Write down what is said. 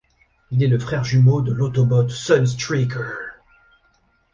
Il est le frère jumeau de l'Autobot Sunstreaker.